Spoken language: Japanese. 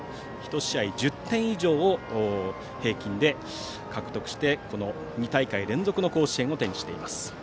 １試合１０点以上を平均で獲得して２大会連続の甲子園を手にしています。